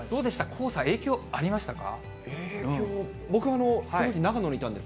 黄砂、影響ありましたか？